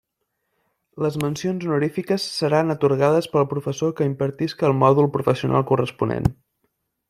Les mencions honorífiques seran atorgades pel professor que impartisca el mòdul professional corresponent.